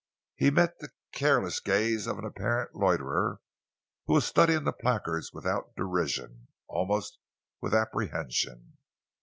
He met the careless gaze of an apparent loiterer who was studying the placards without derision, almost with apprehension.